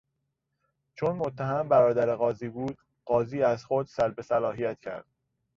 چون متهم برادر قاضی بود قاضی از خود سلب صلاحیت کرد.